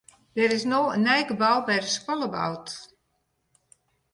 Der is no in nij gebou by de skoalle boud.